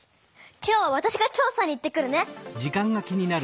今日はわたしが調さに行ってくるね！